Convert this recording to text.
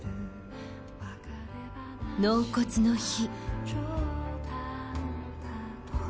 納骨の日。